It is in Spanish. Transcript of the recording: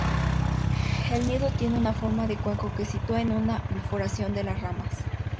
El nido tiene forma de cuenco que sitúa en una bifurcación de las ramas.